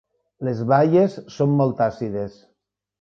Les baies són molt àcides.